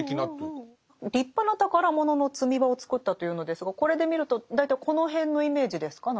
立派な宝物の積場を作ったというのですがこれで見ると大体この辺のイメージですか？